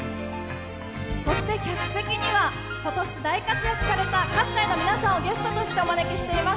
そして客席には今年大活躍された各界の皆さんをゲストとしてお招きしています。